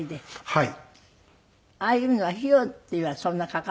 はい。